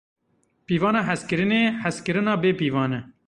Pîvana hezkirinê, hezkirina bêpîvan e.